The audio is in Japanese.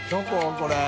これ。